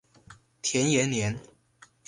田延年。